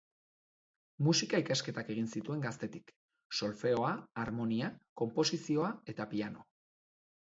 Musika ikasketak egin zituen gaztetik: solfeo, harmonia, konposizioa eta piano.